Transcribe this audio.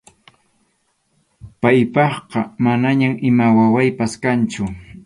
Paypiqa manañam ima wawaypas kanñachu.